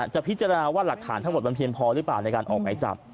จะพิจารณาว่าหลักฐานทั้งหมดมันเพียงพอหรือเปล่าในการออกหมายจับ